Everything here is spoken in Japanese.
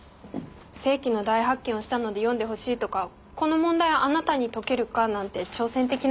世紀の大発見をしたので読んでほしいとかこの問題はあなたに解けるか？なんて挑戦的なものもあります。